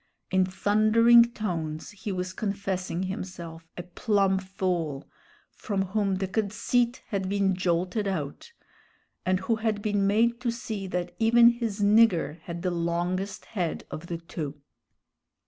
In thundering tones he was confessing himself "a plum fool," from whom "the conceit had been jolted out," and who had been made to see that even his "nigger had the longest head of the two."